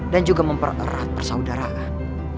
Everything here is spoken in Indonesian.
dan juga mempererat persaudaraan